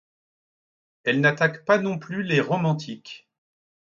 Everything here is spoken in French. Elle n'attaque pas non plus les romantiques.